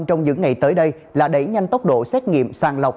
trong những ngày tới đây là đẩy nhanh tốc độ xét nghiệm sàng lọc